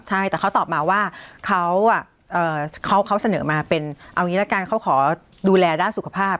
ใช่แต่เขาตอบมาว่าเขาเสนอมาเป็นเอางี้ละกันเขาขอดูแลด้านสุขภาพ